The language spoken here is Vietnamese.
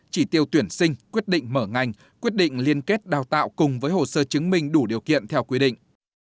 chỉ tiêu tuyển sinh quyết định mở ngành quyết định liên kết đào tạo cùng với hồ sơ chứng minh đủ điều kiện theo quy định